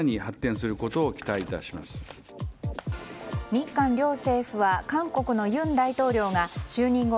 日韓両政府は韓国の尹大統領が就任後